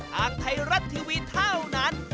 ทางไทยรัฐทีวีเท่านั้น